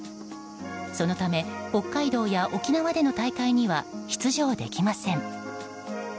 そのため北海道や沖縄での大会には出場できません。